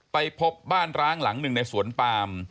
ไปพบบ้านร้างหลังหนึ่งในสวนปาม